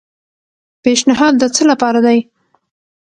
پیشنھاد د څه لپاره دی؟